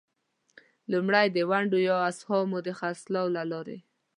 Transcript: لومړی: د ونډو یا اسهامو د خرڅلاو له لارې.